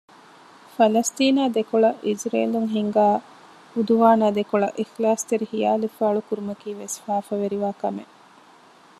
ފަލަސްޠީނާ ދެކޮޅަށް އިޒްރޭލުން ހިންގާ ޢުދުވާނާ ދެކޮޅަށް އިޚްލާޞްތެރި ޚިޔާލެއް ފާޅުކުރުމަކީވެސް ފާފަވެރިވާ ކަމެއް